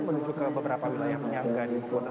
menuju ke beberapa wilayah penyangga di zona